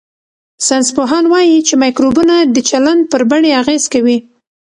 ساینسپوهان وايي چې مایکروبونه د چلند پر بڼې اغېز کوي.